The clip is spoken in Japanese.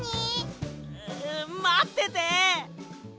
まってて！